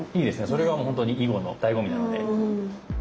それがほんとに囲碁のだいご味なので。